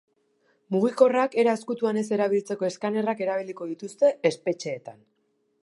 Mugikorrak era ezkutuan ez erabiltzeko eskanerrak erabiliko dituzte espetxeetan.